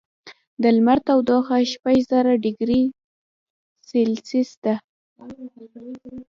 د لمر تودوخه شپږ زره ډګري سیلسیس ده.